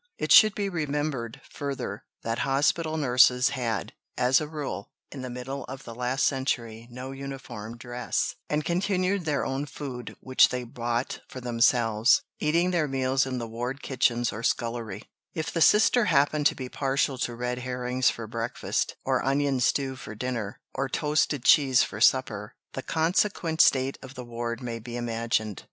It should be remembered, further, that hospital nurses had, as a rule, in the middle of the last century no uniform dress, and cooked their own food (which they bought for themselves), eating their meals in the ward kitchens or scullery: "If the sister happened to be partial to red herrings for breakfast, or onion stew for dinner, or toasted cheese for supper, the consequent state of the ward may be imagined.